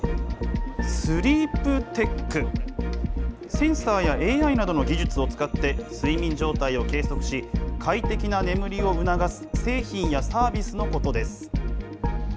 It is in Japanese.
センサーやＡＩなどの技術を使って、睡眠状態を計測し、快適な眠りを促す製品やサービスのことです。